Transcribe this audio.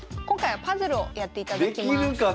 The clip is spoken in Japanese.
今回はパズルをやっていただきます。